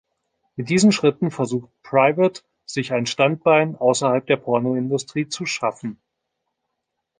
Mit diesen Schritten versucht Private, sich ein Standbein außerhalb der Pornoindustrie zu schaffen.